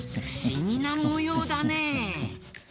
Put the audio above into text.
ふしぎなもようだねえ。